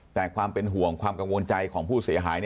แต่ความเป็นห่วงความกังวลใจของผู้เสียหาย